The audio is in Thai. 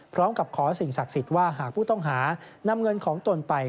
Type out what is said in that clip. พร้อมกับขอสิ่งศักดิ์สิทธิ์ว่าหากผู้ต้องหานำเงินของตนไป